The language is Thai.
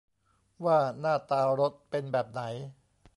ว่าหน้าตารถเป็นแบบไหน